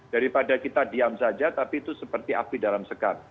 daripada kita diam saja tapi itu seperti api dalam sekat